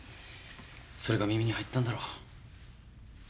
それが耳に入ったんだろう。